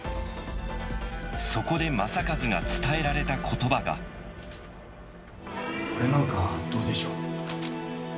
そこで正一が伝えられたことばがこれなんかどうでしょう？